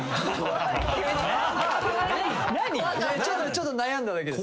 ちょっと悩んだだけです。